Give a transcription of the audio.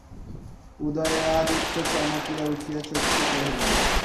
উদয়াদিত্য চমকিয়া উঠিয়া চক্ষু চাহিলেন।